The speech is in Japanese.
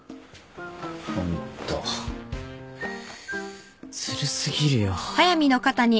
ホントずる過ぎるよ。